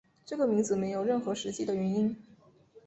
这个名字没有任何实际的原因。